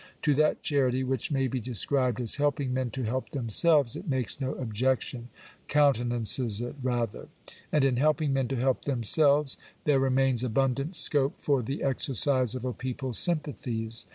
To that charity which may be described as helping men to help themselves, it r makes no objection — countenances it rather. And in helping I Digitized byCjOOQ'lC 326 POOB LAW8. men to help themselves, there remains abundant scope for the exercise of a people's sympathies.